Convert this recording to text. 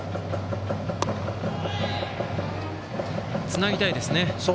つなぎたいですね。